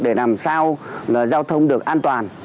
để làm sao giao thông được an toàn